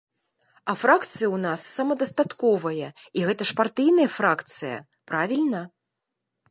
А фракцыя ў нас самадастатковая, і гэта ж партыйная фракцыя, правільна?